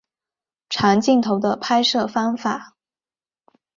长镜头的拍摄方法。